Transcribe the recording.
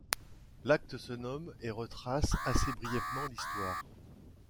L’acte se nomme et retrace assez brièvement l’histoire.